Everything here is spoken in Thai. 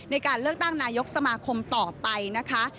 ในการเลือกตั้งนายกสมาคมต่อไปนะคะ